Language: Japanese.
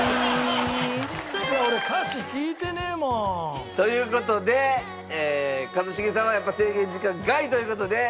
いや俺歌詞聴いてねえもん。という事で一茂さんはやっぱ制限時間外という事で不正解。